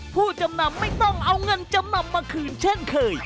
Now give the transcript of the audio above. ผู้จำนำไม่ต้องเอาเงินจำนำมาคืนเช่นเคย